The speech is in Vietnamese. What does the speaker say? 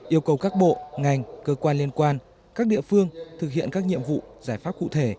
yêu cầu các bộ ngành cơ quan liên quan các địa phương thực hiện các nhiệm vụ giải pháp cụ thể